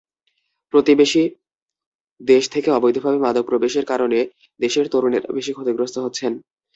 প্রতিবেশী দেশ থেকে অবৈধভাবে মাদক প্রবেশের কারণে দেশের তরুণেরা বেশি ক্ষতিগ্রস্ত হচ্ছেন।